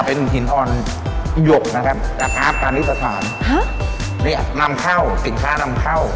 เป็นหินอ่อนหยกนะครับอัฟการณิสฐานนำเข้าสิ่งศาสตร์นำเข้า